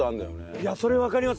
いやそれわかります